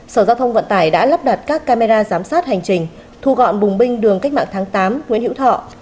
sở giao thông vận tải đã lắp đặt các camera giám sát hành trình thu gọn bùng binh đường cách mạng tháng tám nguyễn hữu thọ